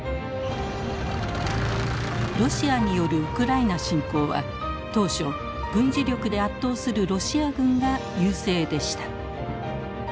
ロシアによるウクライナ侵攻は当初軍事力で圧倒するロシア軍が優勢でした。